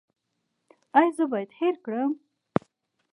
ایا زه باید هیر کړم؟